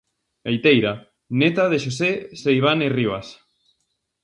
Gaiteira, neta de Xosé Seivane Rivas.